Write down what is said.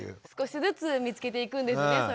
少しずつ見つけていくんですね。